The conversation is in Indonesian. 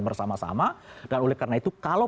bersama sama dan oleh karena itu kalau